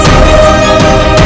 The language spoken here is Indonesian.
baik ayahanda prabu